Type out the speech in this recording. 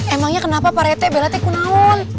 emangnya kenapa pak retek bella tekunahun